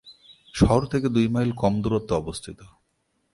শহর থেকে দুই মাইল কম দূরত্বে অবস্থিত।